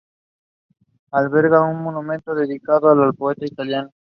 Alberga un monumento dedicado al poeta italiano.